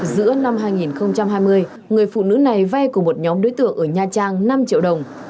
giữa năm hai nghìn hai mươi người phụ nữ này vay của một nhóm đối tượng ở nha trang năm triệu đồng